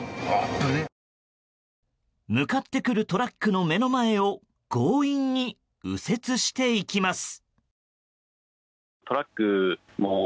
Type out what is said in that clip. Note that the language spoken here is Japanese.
向かってくるトラックの目の前を強引に右折していきます。